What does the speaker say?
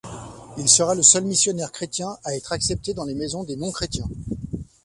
Il sera le seul missionnaire chrétien à être accepté dans les maisons des non-chrétiens.